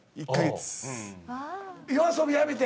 ＹＯＡＳＯＢＩやめて。